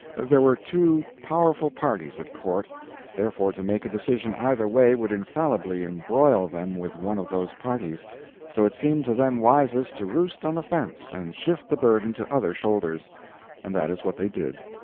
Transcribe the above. There were two powerful parties at Court; therefore to make a decision either way would infallibly embroil them with one of those parties; so it seemed to them wisest to roost on the fence and shift the burden to other shoulders. And that is what they did.